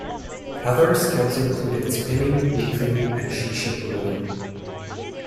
Other skills included spinning, weaving, and chicha brewing.